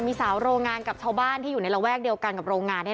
มีสาวโรงงานกับชาวบ้านที่อยู่ในระแวกเดียวกัน